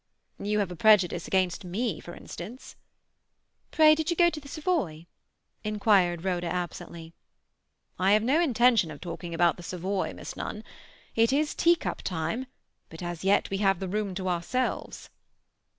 "You have a prejudice against me, for instance." "Pray, did you go to the Savoy?" inquired Rhoda absently. "I have no intention of talking about the Savoy, Miss Nunn. It is teacup time, but as yet we have the room to ourselves."